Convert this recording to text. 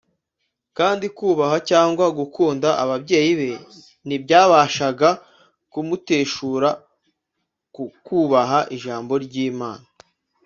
, kandi kubaha cyangwa gukunda ababyeyi Be ntibyabashaga kumuteshura ku kubaha Ijambo ry’Imana